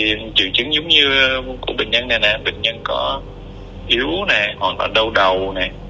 thì triệu chứng giống như của bệnh nhân này nè bệnh nhân có yếu hoàn toàn đau đầu